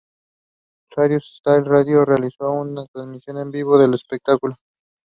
She married director and actor Jack Pratt as her second husband.